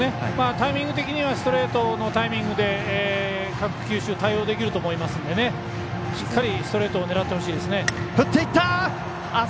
タイミング的にはストレートのタイミングで各球種、対応できると思うのでしっかりストレートを狙ってほしいですね。